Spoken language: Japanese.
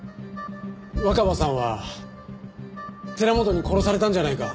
若葉さんは寺本に殺されたんじゃないか？